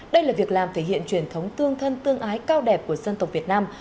đây là việc làm thể hiện truyền thống tương thân tương ái cao đẹp của dân tộc việt nam